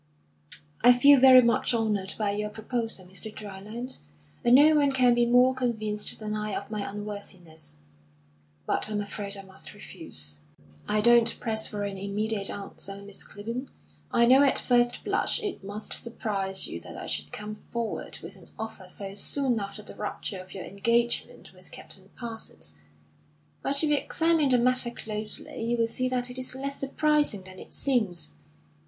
"I feel very much honoured by your proposal, Mr. Dryland. And no one can be more convinced than I of my unworthiness. But I'm afraid I must refuse." "I don't press for an immediate answer, Miss Clibborn. I know at first blush it must surprise you that I should come forward with an offer so soon after the rupture of your engagement with Captain Parsons. But if you examine the matter closely, you will see that it is less surprising than it seems.